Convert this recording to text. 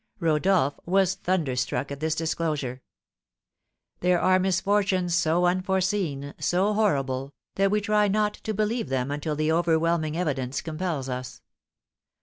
Rodolph was thunderstruck at this disclosure. There are misfortunes so unforeseen, so horrible, that we try not to believe them until the overwhelming evidence compels us.